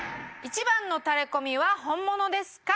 １番のタレコミは本物ですか？